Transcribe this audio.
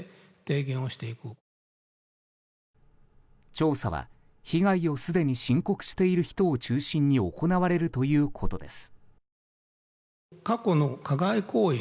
調査は、被害をすでに申告している人を中心に行われるということです。